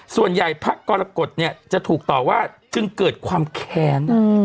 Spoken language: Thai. พระกรกฎเนี่ยจะถูกต่อว่าจึงเกิดความแค้น